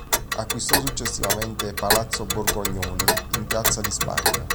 Acquistò successivamente palazzo Borgognoni in piazza di Spagna.